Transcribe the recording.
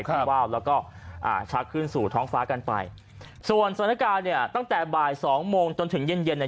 ว่าวแล้วก็อ่าชักขึ้นสู่ท้องฟ้ากันไปส่วนสถานการณ์เนี่ยตั้งแต่บ่ายสองโมงจนถึงเย็นเย็นเนี่ย